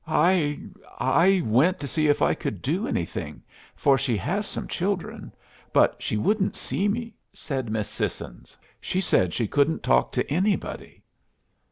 I I went to see if I could do anything, for she has some children; but she wouldn't see me," said Miss Sissons. "She said she couldn't talk to anybody."